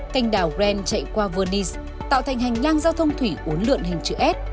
canh đảo grand chạy qua venice tạo thành hành lang giao thông thủy uốn lượn hình chữ s